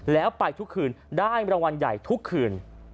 แล้วไปทุกคืนได้รางวัลใหญ่ทุกคืน